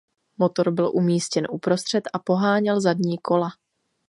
Motor byl umístěn uprostřed a poháněl zadní kola.